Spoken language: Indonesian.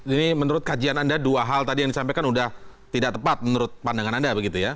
ini menurut kajian anda dua hal tadi yang disampaikan sudah tidak tepat menurut pandangan anda begitu ya